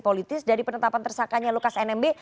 politis dari penetapan tersangkanya lukas nmb